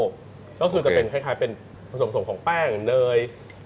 ก็คือจะเป็นคล้ายเป็นผสมของแป้งเนย